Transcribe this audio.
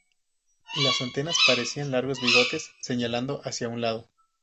Las antenas parecían largos bigotes señalando hacia un lado.